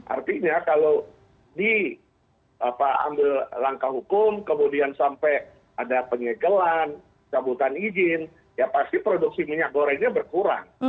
artinya kalau diambil langkah hukum kemudian sampai ada penyegelan cabutan izin ya pasti produksi minyak gorengnya berkurang